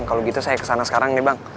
kalau gitu saya kesana sekarang nih bang